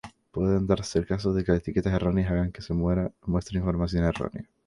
Puede darse el caso de que etiquetas erróneas hagan que se muestre información errónea.